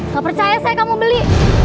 gak percaya saya kamu beli